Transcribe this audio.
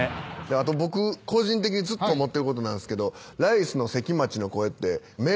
あと僕個人的にずっと思ってることなんすけどライスの。